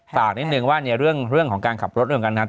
เต้นกระตุ๋ย